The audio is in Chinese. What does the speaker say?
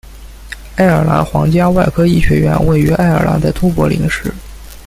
爱尔兰皇家外科医学院位于爱尔兰的都柏林市。